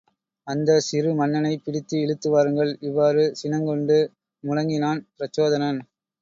அந்தச் சிறு மன்னனைப் பிடித்து இழுத்து வாருங்கள். இவ்வாறு சினங்கொண்டு முழங்கினான் பிரச்சோதனன்.